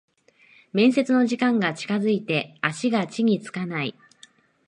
面接の時間が近づいて足が地につかない